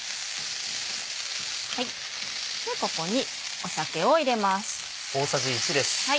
ここに酒を入れます。